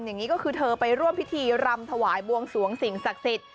อย่างนี้ก็คือเธอไปร่วมพิธีรำถวายบวงสวงสิ่งศักดิ์สิทธิ์